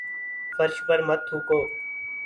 فرش پر مت تھوکو